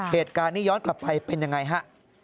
เหตุการณ์นี้ย้อนกลับไปเป็นยังไงฮะ